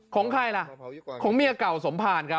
ของใครล่ะของเมียเก่าสมภารครับ